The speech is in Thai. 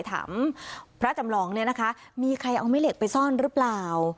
ถามพระจำลองเนี่ยนะคะมีใครเอาแม่เหล็กไปซ่อนหรือเปล่า